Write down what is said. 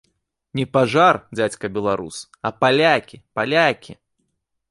Не пажар, дзядзька беларус, а палякі, палякі!